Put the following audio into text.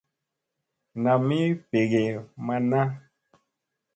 Nam mi ɓegee man na.